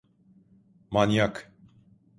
Manyak!